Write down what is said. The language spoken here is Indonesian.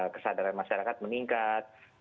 kesadaran masyarakat meningkat